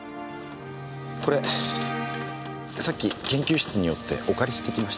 これさっき研究室に寄ってお借りしてきました。